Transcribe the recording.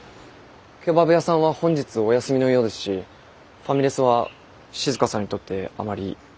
ケバブ屋さんは本日お休みのようですしファミレスは静さんにとってあまりいい印象の。